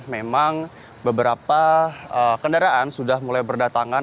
memang beberapa kendaraan sudah mulai berdatangan